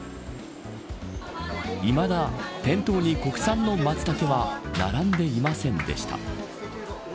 いまだ店頭に国産のマツタケは並んでいませんでした。